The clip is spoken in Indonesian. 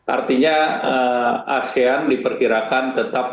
artinya asean diperkirakan tetap